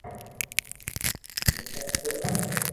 ھون پنکو ھلاو